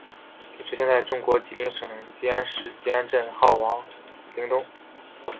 碑址现在中国吉林省集安市集安镇好太王陵东。